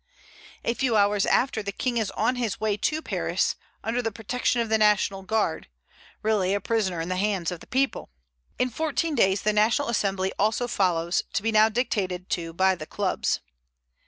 A few hours after, the King is on his way to Paris, under the protection of the National Guard, really a prisoner in the hands of the people. In fourteen days the National Assembly also follows, to be now dictated to by the clubs.